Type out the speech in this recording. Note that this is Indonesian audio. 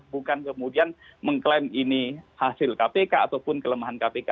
bukan kemudian mengklaim ini hasil kpk ataupun kelemahan kpk